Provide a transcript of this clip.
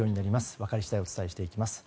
分かり次第お伝えしていきます。